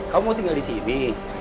kamu tinggal di sini